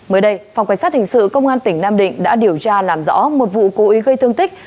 mới đây phòng cảnh sát hình sự công an tỉnh nam định đã điều tra làm rõ một vụ cố ý gây thương tích